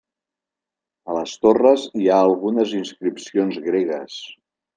A les torres hi ha algunes inscripcions gregues.